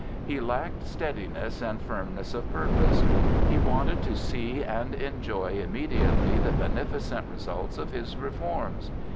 He lacked steadiness and firmness of purpose. He wanted to see and enjoy immediately the beneficent results of his reforms.